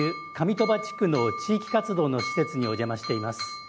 鳥羽地区の地域活動の施設にお邪魔しています。